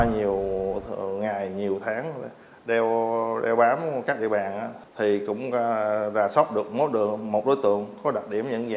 như đối tượng